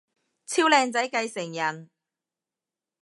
超靚仔繼承人